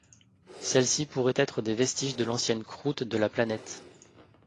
Celles-ci pourraient être des vestiges de l'ancienne croûte de la planète.